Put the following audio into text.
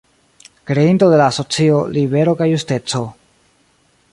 Kreinto de la asocio "Libero kaj Justeco".